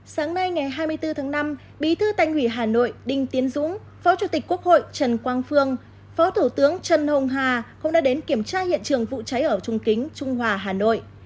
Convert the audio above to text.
sáng nay ngày hai mươi bốn tháng năm bí thư thành ủy hà nội đinh tiến dũng phó chủ tịch quốc hội trần quang phương phó thủ tướng trần hồng hà cũng đã đến kiểm tra hiện trường vụ cháy ở trung kính trung hòa hà nội